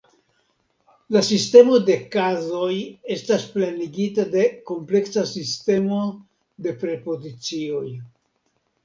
La sistemo de kazoj estas plenigita de kompleksa sistemo de prepozicioj.